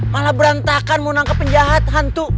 malah berantakan mau nangkap penjahat hantu